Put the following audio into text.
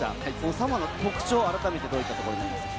サモアの特徴はどういったところになりますか？